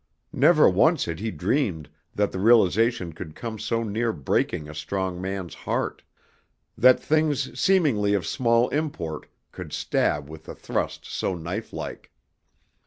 Never once had he dreamed that the realization could come so near breaking a strong man's heart, that things seemingly of small import could stab with a thrust so knife like.